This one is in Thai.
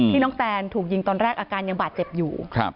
น้องแตนถูกยิงตอนแรกอาการยังบาดเจ็บอยู่